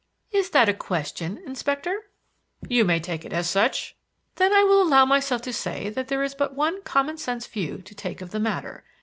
"Is that a question, Inspector?" "You may take it as such." "Then I will allow myself to say that there is but one common sense view to take of the matter.